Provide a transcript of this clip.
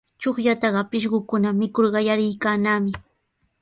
Chuqllataqa pishqukuna mikur qallariykannami.